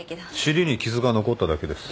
尻に傷が残っただけです。